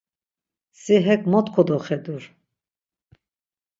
Si hek mot kodoxedur!